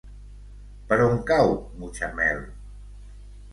Per on cau Mutxamel?